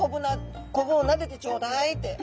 コブをなでてちょうだいって。